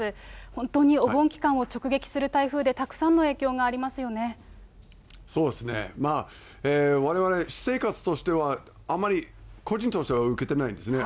本当にお盆期間を直撃する台風で、そうですね、われわれ、私生活としては、あまり個人としては受けてないんですね。